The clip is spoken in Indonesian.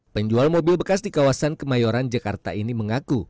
penjual mobil bekas di kawasan kemayoran jakarta ini mengaku